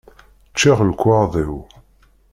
Ččiɣ lekwaɣeḍ-iw.